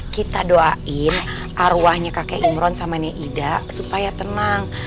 kita doain arwahnya kakek imron sama nenek ida supaya tenang